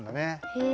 へえ。